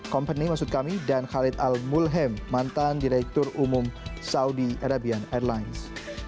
company maksud kami dan khalid al mulhem mantan direktur umum saudi arabian airlines